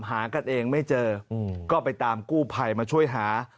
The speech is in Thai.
ให้หมอปลานี่นะครับคุณผู้ชมฮะ